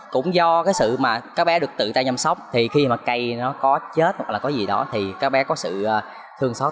cũng do cái sự mà các bé được tự tay chăm sóc thì khi mà cây nó có chết hoặc là có gì đó thì các bé có sự thương xót